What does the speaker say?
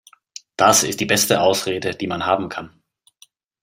Das ist die beste Ausrede, die man haben kann.